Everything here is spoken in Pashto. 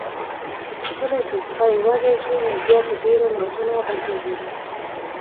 کله چې سپی وږي شي، نو بیا په ډیرو نازونو غږیږي.